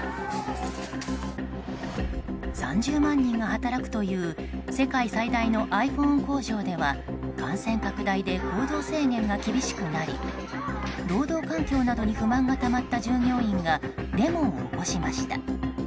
３０万人が働くという世界最大のｉＰｈｏｎｅ工場では感染拡大で行動制限が厳しくなり労働環境などに不満がたまった従業員がデモを起こしました。